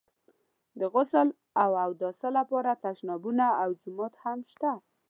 د غسل او اوداسه لپاره تشنابونه او جومات هم شته.